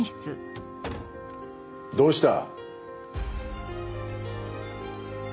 どうした？